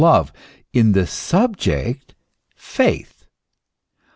love, in the subject faith.